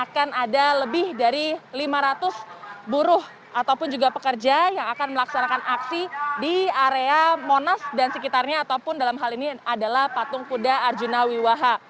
jadi dari lima ratus buruh ataupun juga pekerja yang akan melaksanakan aksi di area monas dan sekitarnya ataupun dalam hal ini adalah patung kuda arjuna wiwaha